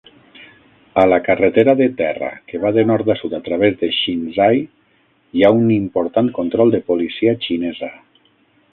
A la carretera de terra que va de nord a sud a través de Xinzhai hi ha un important control de policia xinesa.